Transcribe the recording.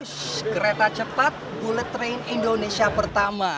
ussshh kereta cepat bullet train indonesia pertama